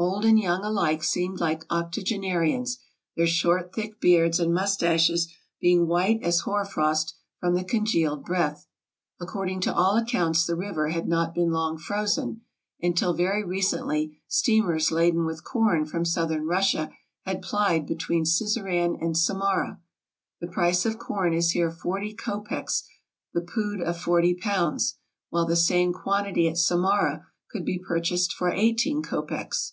Old and young alike seemed like octogenarians, their short, thick beards and mustaches being white as hoar frost from the congealed breath. According to all accounts the river had not been long frozen, and till very recently steamers laden with corn from Southern Russia had plied between Sizeran and Samara. The price of corn is here forty copecks the pood of forty pounds, while the same quantity at Samara could be purchased for eighteen copecks.